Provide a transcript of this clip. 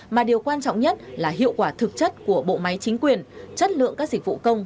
mà điều quan trọng nhất là hiệu quả thực chất của bộ máy chính quyền chất lượng các dịch vụ công